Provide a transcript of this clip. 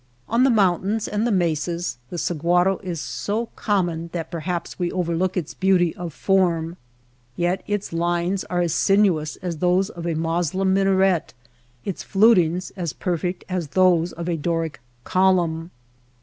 On the mountains and the mesas the sahuaro is so com mon that perhaps we overlook its beauty of CACTUS AND GEEASEWOOD 145 form ; yet its lines are as sinnous as those of a Moslem minaret, its flutings as perfect as those of a Doric column.